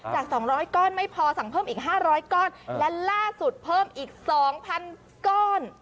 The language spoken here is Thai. จาก๒๐๐ก้อนไม่พอสั่งเพิ่มอีก๕๐๐ก้อนและล่าสุดเพิ่มอีก๒๐๐ก้อน